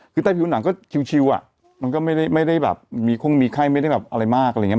คือใต้ผิวหนังก็ชิวอ่ะมันก็ไม่ได้แบบมีข้งมีไข้ไม่ได้แบบอะไรมากอะไรอย่างนี้